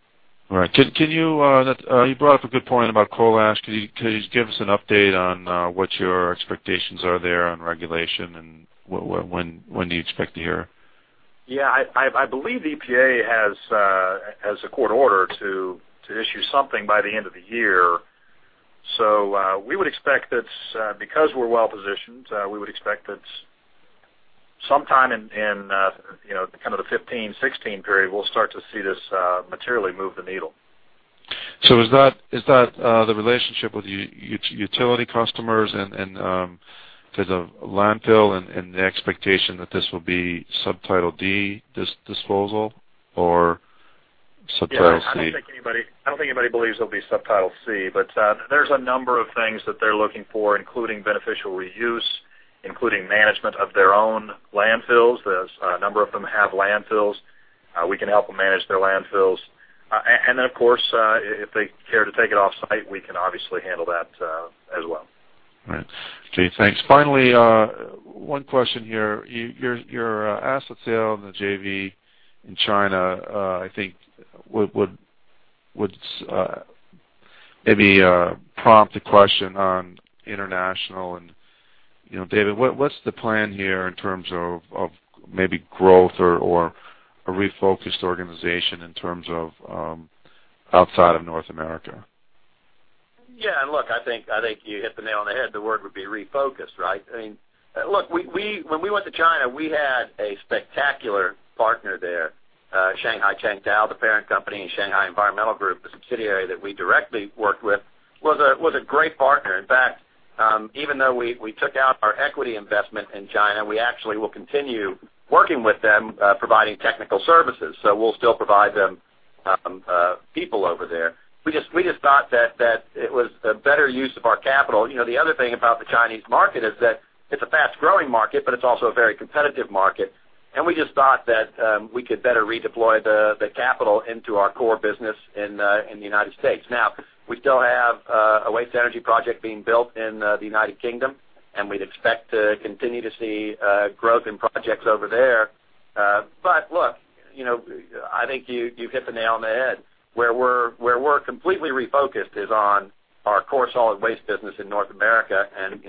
All right. You brought up a good point about coal ash. Could you just give us an update on what your expectations are there on regulation and when do you expect to hear? Yeah. I believe the EPA has a court order to issue something by the end of the year. We would expect that because we're well positioned, we would expect that sometime in the 2015, 2016 period, we'll start to see this materially move the needle. Is that the relationship with utility customers and to the landfill and the expectation that this will be Subtitle D, this disposal? Or Subtitle C? I don't think anybody believes it'll be Subtitle C, but there's a number of things that they're looking for, including beneficial reuse, including management of their own landfills. A number of them have landfills. We can help them manage their landfills. Then, of course, if they care to take it off site, we can obviously handle that as well. Right. Okay, thanks. Finally, one question here. Your asset sale and the JV in China, I think would maybe prompt a question on international and David, what's the plan here in terms of maybe growth or a refocused organization in terms of outside of North America? Yeah, look, I think you hit the nail on the head. The word would be refocused, right? When we went to China, we had a spectacular partner there. Shanghai Chengtou, the parent company, and Shanghai Environment Group, the subsidiary that we directly worked with, was a great partner. In fact, even though we took out our equity investment in China, we actually will continue working with them, providing technical services. We'll still provide them people over there. We just thought that it was a better use of our capital. The other thing about the Chinese market is that it's a fast-growing market, but it's also a very competitive market. We just thought that we could better redeploy the capital into our core business in the United States. We still have a waste-to-energy project being built in the United Kingdom, we'd expect to continue to see growth in projects over there. Look, I think you hit the nail on the head. Where we're completely refocused is on our core solid waste business in North America, and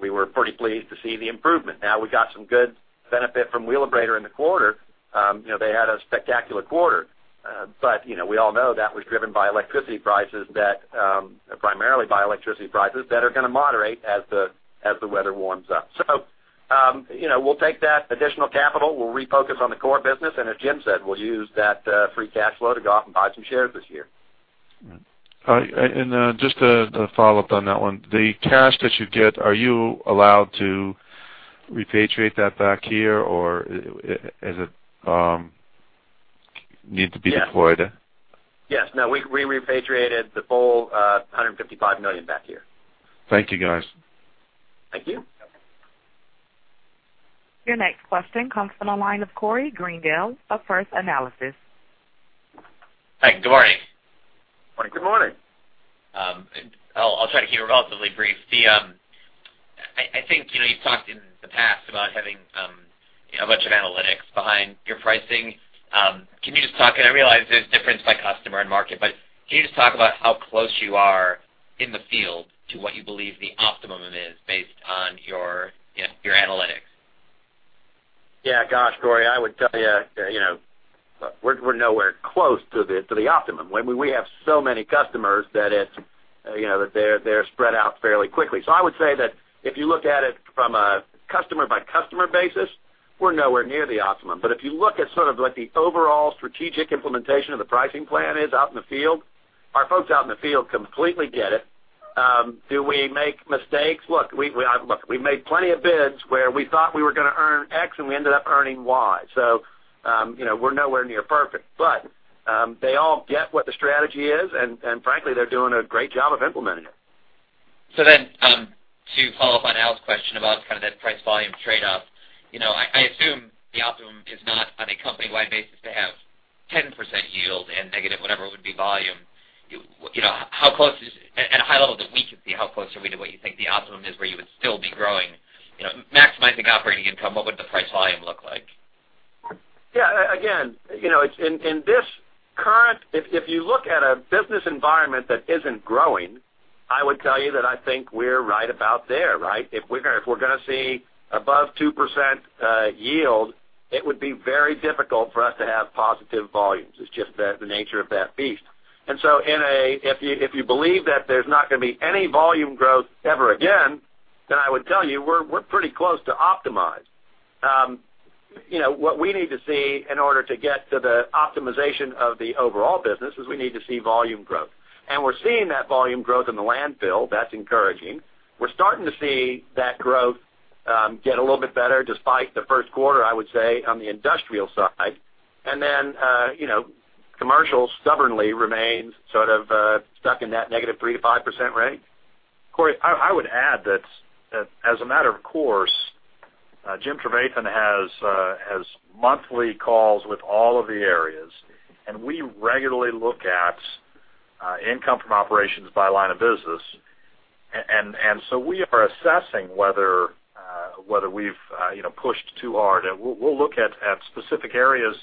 we were pretty pleased to see the improvement. We got some good benefit from Wheelabrator in the quarter. They had a spectacular quarter. We all know that was driven primarily by electricity prices that are going to moderate as the weather warms up. We'll take that additional capital, we'll refocus on the core business, and as Jim said, we'll use that free cash flow to go off and buy some shares this year. Just to follow up on that one, the cash that you get, are you allowed to repatriate that back here or does it need to be deployed? Yes. No, we repatriated the full $155 million back here. Thank you, guys. Thank you. Your next question comes from the line of Corey Greendale of First Analysis. Hi, good morning. Good morning. I'll try to keep it relatively brief. I think you've talked in the past about having a bunch of analytics behind your pricing. I realize there's difference by customer and market. Can you just talk about how close you are in the field to what you believe the optimum is based on your analytics? Yeah. Gosh, Corey, I would tell you we're nowhere close to the optimum. We have so many customers that they're spread out fairly quickly. I would say that if you look at it from a customer-by-customer basis, we're nowhere near the optimum. If you look at sort of the overall strategic implementation of the pricing plan is out in the field, our folks out in the field completely get it. Do we make mistakes? Look, we've made plenty of bids where we thought we were going to earn X, and we ended up earning Y. We're nowhere near perfect, but they all get what the strategy is, and frankly, they're doing a great job of implementing it. To follow up on Al's question about kind of that price volume trade-off, I assume the optimum is not on a company-wide basis to have 10% yield and negative whatever it would be volume. At a high level, that we could see, how close are we to what you think the optimum is where you would still be growing, maximizing operating income? What would the price volume look like? Yeah. If you look at a business environment that isn't growing, I would tell you that I think we're right about there, right? If we're going to see above 2% yield, it would be very difficult for us to have positive volumes. It's just the nature of that beast. If you believe that there's not going to be any volume growth ever again, then I would tell you we're pretty close to optimized. What we need to see in order to get to the optimization of the overall business is we need to see volume growth. We're seeing that volume growth in the landfill. That's encouraging. We're starting to see that growth get a little bit better despite the first quarter, I would say, on the industrial side. Commercial stubbornly remains sort of stuck in that -3% to 5% range. Corey, I would add that as a matter of course, Jim Trevathan has monthly calls with all of the areas, and we regularly look at income from operations by line of business. We are assessing whether we've pushed too hard. We'll look at specific areas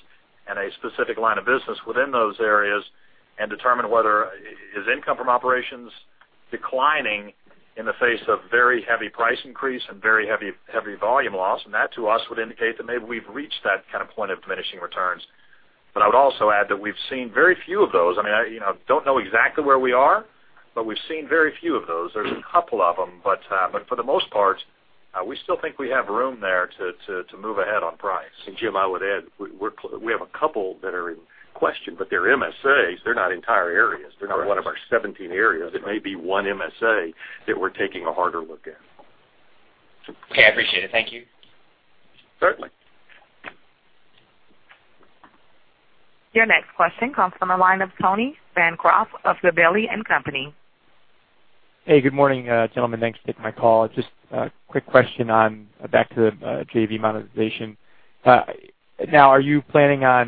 and a specific line of business within those areas and determine whether his income from operations declining in the face of very heavy price increase and very heavy volume loss. That, to us, would indicate that maybe we've reached that kind of point of diminishing returns. I would also add that we've seen very few of those. I don't know exactly where we are, but we've seen very few of those. There's a couple of them, but for the most part, we still think we have room there to move ahead on price. Jim, I would add, we have a couple that are in question, but they're MSAs. They're not entire areas. They're not one of our 17 areas. It may be one MSA that we're taking a harder look at. Okay. I appreciate it. Thank you. Certainly. Your next question comes from the line of Tony Bancroft of Gabelli & Company. Hey, good morning, gentlemen. Thanks for taking my call. Just a quick question on back to the JV monetization. I know you're saying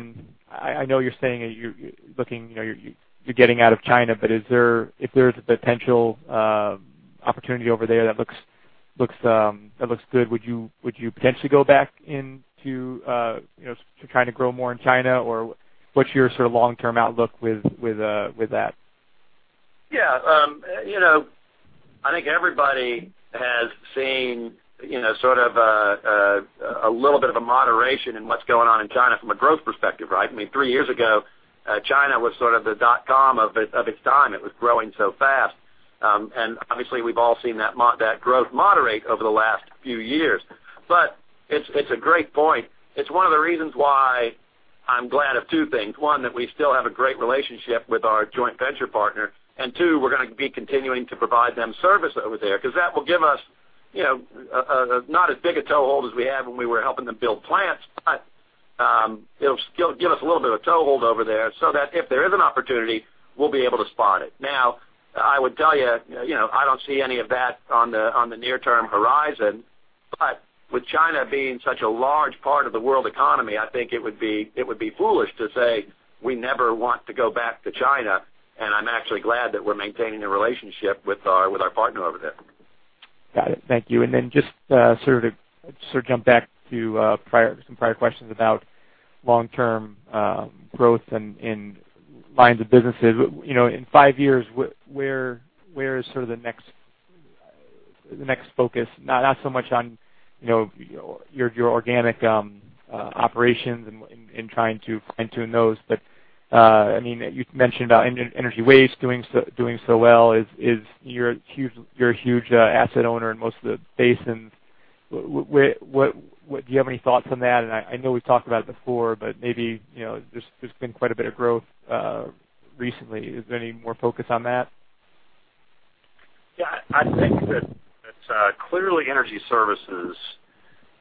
that you're getting out of China, but if there's a potential opportunity over there that looks good, would you potentially go back in to trying to grow more in China? What's your sort of long-term outlook with that? Yeah. I think everybody has seen sort of a little bit of a moderation in what's going on in China from a growth perspective, right? 3 years ago, China was sort of the dot-com of its time. It was growing so fast. Obviously, we've all seen that growth moderate over the last few years. It's a great point. It's one of the reasons why I'm glad of 2 things. One, that we still have a great relationship with our joint venture partner. Two, we're going to be continuing to provide them service over there because that will give us not as big a toehold as we had when we were helping them build plants, but it'll still give us a little bit of toehold over there so that if there is an opportunity, we'll be able to spot it. Now, I would tell you, I don't see any of that on the near-term horizon. With China being such a large part of the world economy, I think it would be foolish to say we never want to go back to China, and I'm actually glad that we're maintaining a relationship with our partner over there. Got it. Thank you. Just sort of jump back to some prior questions about long-term growth in lines of businesses. In 5 years, where is sort of the next focus? Not so much on your organic operations and trying to fine-tune those. You've mentioned about Energy Waste doing so well. You're a huge asset owner in most of the basins. Do you have any thoughts on that? I know we've talked about it before, but maybe there's been quite a bit of growth recently. Is there any more focus on that? Yeah. I think that clearly energy services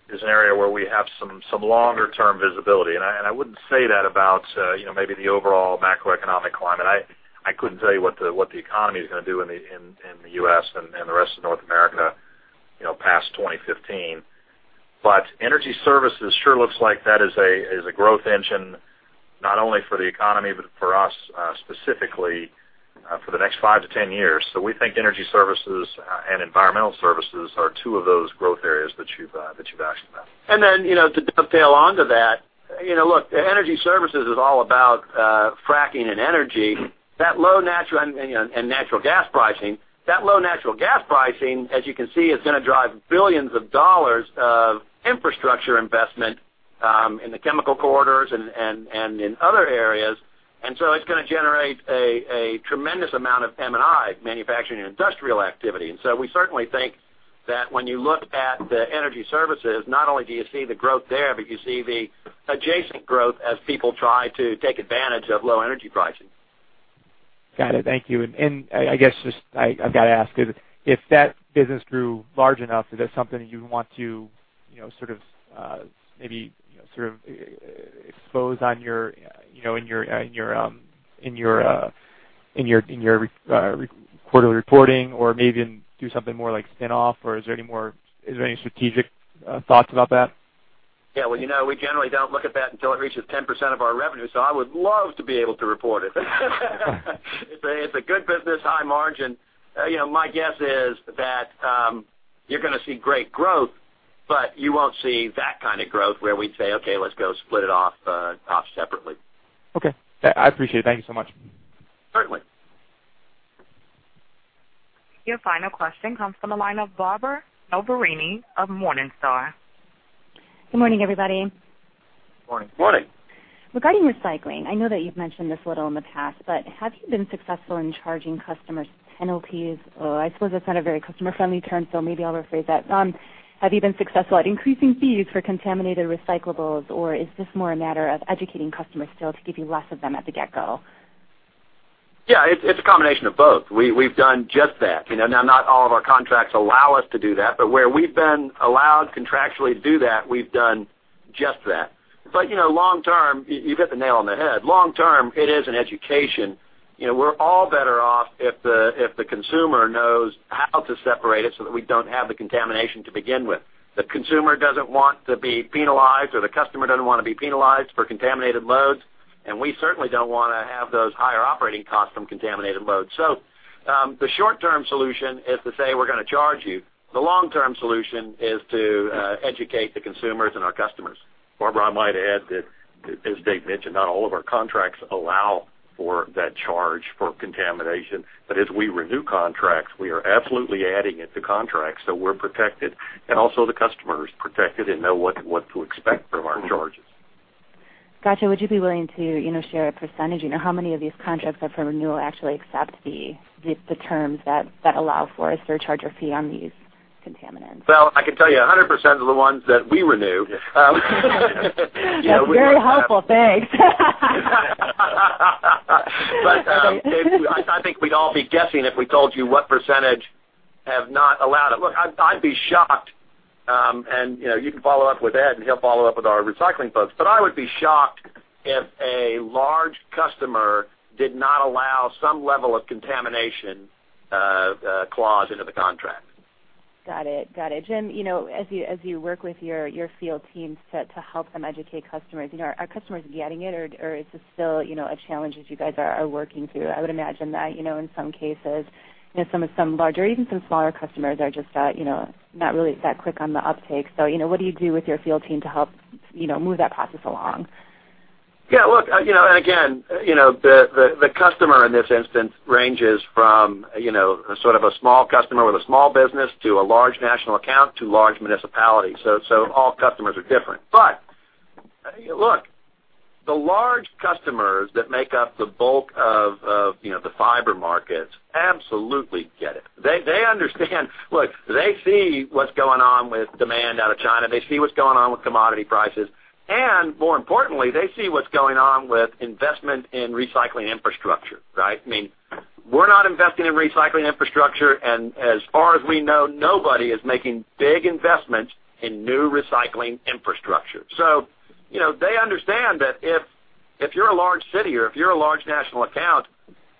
is an area where we have some longer-term visibility. I wouldn't say that about maybe the overall macroeconomic climate. I couldn't tell you what the economy is going to do in the U.S. and the rest of North America past 2015. Energy services sure looks like that is a growth engine, not only for the economy, but for us specifically for the next five to 10 years. We think energy services and environmental services are two of those growth areas that you've asked about. Then, to dovetail onto that, look, energy services is all about fracking and energy, and natural gas pricing. That low natural gas pricing, as you can see, is going to drive $ billions of infrastructure investment in the chemical corridors and in other areas. It's going to generate a tremendous amount of M&I, manufacturing and industrial activity. We certainly think that when you look at the energy services, not only do you see the growth there, but you see the adjacent growth as people try to take advantage of low energy pricing. Got it. Thank you. I guess just, I've got to ask, if that business grew large enough, is that something you want to maybe expose in your quarterly reporting or maybe even do something more like spin-off? Is there any strategic thoughts about that? Yeah, well, we generally don't look at that until it reaches 10% of our revenue, I would love to be able to report it. It's a good business, high margin. My guess is that you're going to see great growth, you won't see that kind of growth where we'd say, "Okay, let's go split it off separately. Okay. I appreciate it. Thank you so much. Certainly. Your final question comes from the line of Barbara Noverini of Morningstar. Good morning, everybody. Morning. Morning. Regarding recycling, I know that you've mentioned this a little in the past, but have you been successful in charging customers penalties? I suppose that's not a very customer-friendly term, so maybe I'll rephrase that. Have you been successful at increasing fees for contaminated recyclables, or is this more a matter of educating customers still to give you less of them at the get-go? Yeah, it's a combination of both. We've done just that. Not all of our contracts allow us to do that, but where we've been allowed contractually to do that, we've done just that. Long term, you've hit the nail on the head. Long term, it is an education. We're all better off if the consumer knows how to separate it so that we don't have the contamination to begin with. The consumer doesn't want to be penalized, or the customer doesn't want to be penalized for contaminated loads, and we certainly don't want to have those higher operating costs from contaminated loads. The short-term solution is to say, "We're going to charge you." The long-term solution is to educate the consumers and our customers. Barbara, I might add that, as Dave mentioned, not all of our contracts allow for that charge for contamination. As we renew contracts, we are absolutely adding it to contracts so we're protected, and also the customer is protected and know what to expect from our charges. Got you. Would you be willing to share a percentage? How many of these contracts up for renewal actually accept the terms that allow for a surcharge or fee on these contaminants? Well, I can tell you 100% of the ones that we renew. That's very helpful, thanks. I think we'd all be guessing if we told you what % have not allowed it. I'd be shocked, and you can follow up with Ed, and he'll follow up with our recycling folks. I would be shocked if a large customer did not allow some level of contamination clause into the contract. Got it. Jim, as you work with your field teams to help them educate customers, are customers getting it, or is this still a challenge that you guys are working through? I would imagine that in some cases, some larger or even some smaller customers are just not really that quick on the uptake. What do you do with your field team to help move that process along? The customer in this instance ranges from a sort of a small customer with a small business to a large national account to large municipalities. All customers are different. The large customers that make up the bulk of the fiber markets absolutely get it. They understand. They see what's going on with demand out of China. They see what's going on with commodity prices, and more importantly, they see what's going on with investment in recycling infrastructure, right? We're not investing in recycling infrastructure, and as far as we know, nobody is making big investments in new recycling infrastructure. They understand that if you're a large city or if you're a large national account,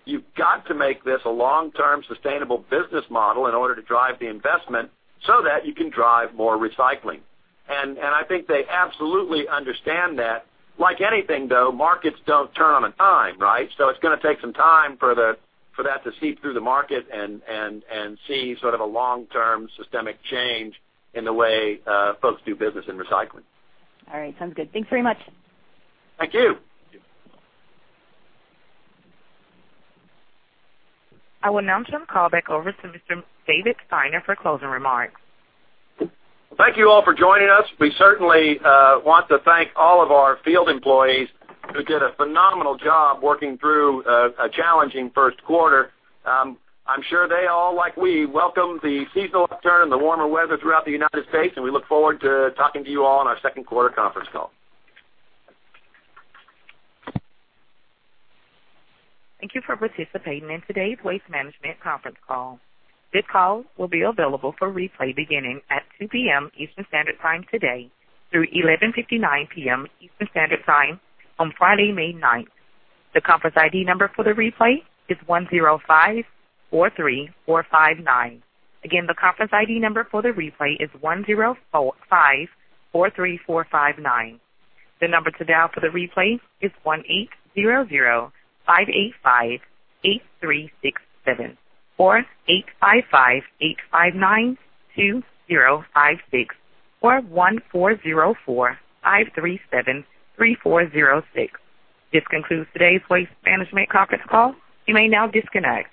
you've got to make this a long-term sustainable business model in order to drive the investment so that you can drive more recycling. I think they absolutely understand that. Like anything, though, markets don't turn on a dime, right? It's going to take some time for that to seep through the market and see sort of a long-term systemic change in the way folks do business in recycling. All right, sounds good. Thanks very much. Thank you. Thank you. I will now turn the call back over to Mr. David Steiner for closing remarks. Thank you all for joining us. We certainly want to thank all of our field employees who did a phenomenal job working through a challenging first quarter. I'm sure they all, like we, welcome the seasonal turn and the warmer weather throughout the United States, and we look forward to talking to you all on our second quarter conference call. Thank you for participating in today's Waste Management conference call. This call will be available for replay beginning at 2:00 P.M. Eastern Standard Time today through 11:59 P.M. Eastern Standard Time on Friday, May 9th. The conference ID number for the replay is 10543459. Again, the conference ID number for the replay is 10543459. The number to dial for the replay is 1-800-585-8367 or 855-859-2056 or 1-404-537-3406. This concludes today's Waste Management conference call. You may now disconnect.